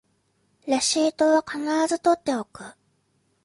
レシートは必ず取っておく